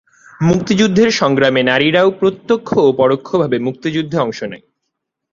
মুক্তিযুদ্ধের সংগ্রামে নারীরাও প্রত্যক্ষ ও পরোক্ষভাবে মুক্তিযুদ্ধে অংশ নেয়।